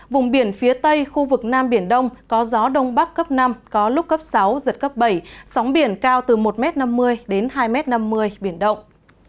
vùng biển phía tây khu vực nam biển đông có gió đông bắc cấp năm có lúc cấp sáu giật cấp bảy sóng biển cao từ một năm mươi m đến hai năm mươi m biển động